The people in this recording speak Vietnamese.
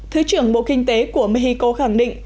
thứ trưởng bộ kinh tế của mexico khẳng định